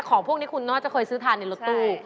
ของพวกนี้คุณน่าจะเคยซื้อทานในรถตู้